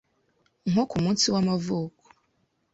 nko ku munsi w’amavuko